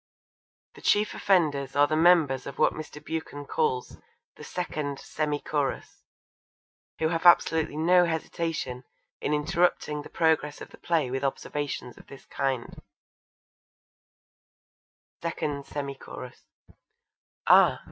The chief offenders are the members of what Mr. Buchan calls 'The 2nd. Semi chorus,' who have absolutely no hesitation in interrupting the progress of the play with observations of this kind: 2ND. semi chorus Ah!